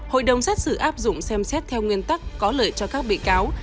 hội đồng xét xử áp dụng xem xét theo nguyên tắc có lợi cho các bị cáo